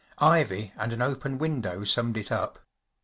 Ivy and an open window summed it up.